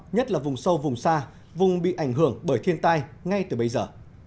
nhất là vùng sâu vùng xa vùng bị ảnh hưởng bởi thiên tai ngay từ bây giờ